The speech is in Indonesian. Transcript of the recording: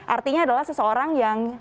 artinya adalah seseorang yang